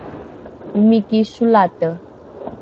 omiki solate